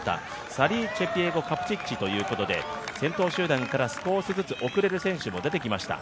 サリーチェピエゴ・カプチッチということで、先頭集団から少しずつ遅れる選手も出てきました。